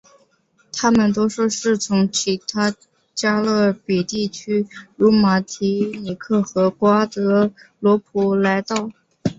他们多数是从其他加勒比地区如马提尼克和瓜德罗普来到。